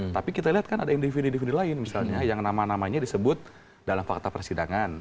tapi kita lihat kan ada individu individu lain misalnya yang nama namanya disebut dalam fakta persidangan